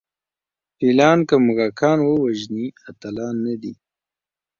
فیلان که موږکان ووژني اتلان نه دي.